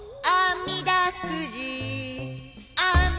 あみだくじ。